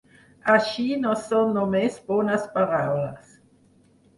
Així no són només bones paraules.